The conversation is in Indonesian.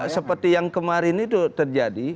seperti yang kemarin itu terjadi